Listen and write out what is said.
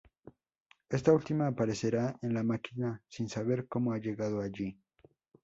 Esta última aparecerá en la máquina sin saber como ha llegado allí.